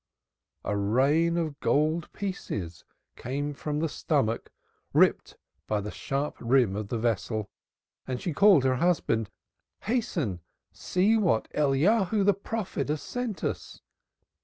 a rain of gold pieces came from the stomach ripped up by the sharp rim of the vessel. And she called to her husband. "Hasten! See what Elijah the prophet hath sent us."